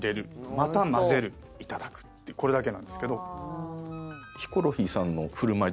また混ぜるいただくってこれだけなんですけど。